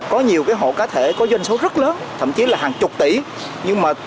có nhiều hộ cá thể có doanh số rất lớn thậm chí là hàng chục tỷ nhưng mà